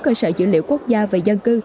cơ sở dữ liệu quốc gia về dân cư